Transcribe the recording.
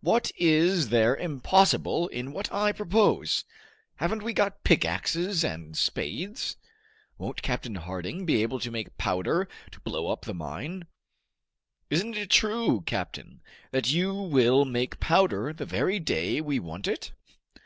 What is there impossible in what I propose? Haven't we got pickaxes and spades? Won't Captain Harding be able to make powder to blow up the mine? Isn't it true, captain, that you will make powder the very day we want it?"